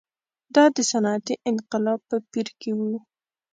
دا د صنعتي انقلاب په پېر کې و.